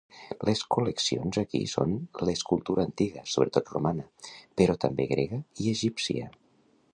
Les col·leccions aquí són l'escultura antiga, sobretot romana, però també grega i egípcia.